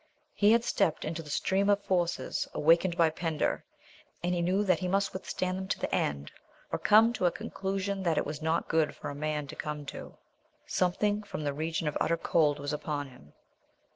He had stepped into the stream of forces awakened by Pender and he knew that he must withstand them to the end or come to a conclusion that it was not good for a man to come to. Something from the region of utter cold was upon him.